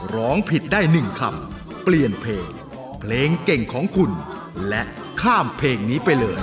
ร้องผิดได้๑คำเปลี่ยนเพลงเพลงเก่งของคุณและข้ามเพลงนี้ไปเลย